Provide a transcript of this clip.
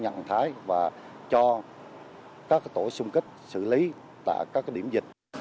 nhận thái và cho các tổ xung kích xử lý tại các điểm dịch